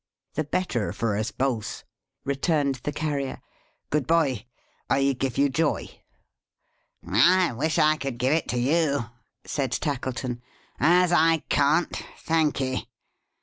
"The better for us both," returned the Carrier. "Good bye. I give you joy!" "I wish I could give it to you," said Tackleton. "As I can't; thank'ee.